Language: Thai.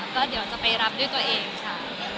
ก็เดี๋ยวจะไปรับด้วยตัวเองค่ะ